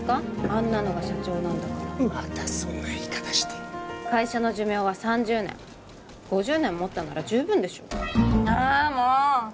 あんなのが社長なんだからまたそんな言い方して会社の寿命は３０年５０年もったんなら十分でしょあもお！